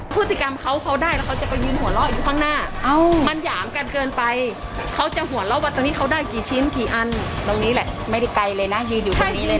พฤติกรรมเขาเขาได้แล้วเขาจะไปยืนหัวเราะอยู่ข้างหน้ามันหยามกันเกินไปเขาจะหัวเราะว่าตรงนี้เขาได้กี่ชิ้นกี่อันตรงนี้แหละไม่ได้ไกลเลยนะยืนอยู่ตรงนี้เลย